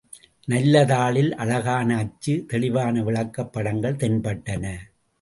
நல்ல தாளில் அழகான அச்சு தெளிவான விளக்கப் படங்கள் தென்பட்டன.